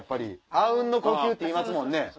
「あうんの呼吸」っていいますもんね。